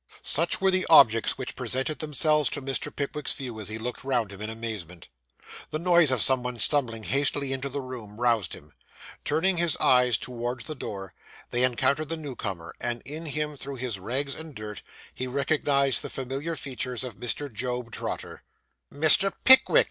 Such were the objects which presented themselves to Mr. Pickwick's view, as he looked round him in amazement. The noise of some one stumbling hastily into the room, roused him. Turning his eyes towards the door, they encountered the new comer; and in him, through his rags and dirt, he recognised the familiar features of Mr. Job Trotter. 'Mr. Pickwick!